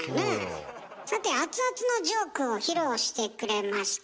さてアツアツのジョークを披露してくれました